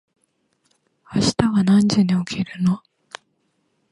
明日は何時に起きるの？